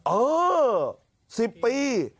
เออ๑๐ปี